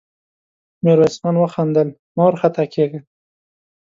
ميرويس خان وخندل: مه وارخطا کېږه!